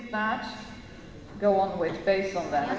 bagaimana dengan perusahaan yang berdasarkan itu